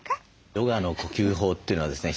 ヨガの呼吸法というのはですね